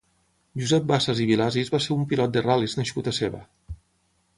Josep Bassas i Vilasis va ser un pilot de ral·lis nascut a Seva.